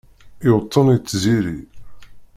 Iweṭṭen i tziri